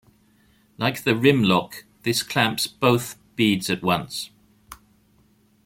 Like the rim lock, this clamps both beads at once.